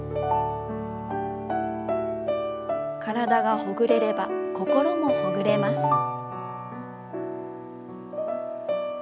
体がほぐれれば心もほぐれます。